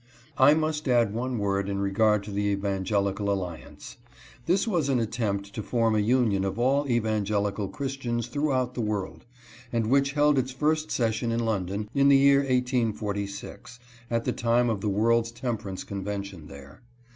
I must add one word in regard to the Evangelical Alliance. This was an attempt to form a union of all Evangelical Christians throughout the world, and which held its first session in London, in the year 1846, at the time of the World's Temperance Convention there.